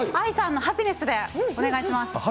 ＡＩさんのハピネスでお願いします。